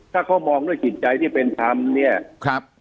ถ้าเขามองด้วยผลกิจใจที่เป็นธรรม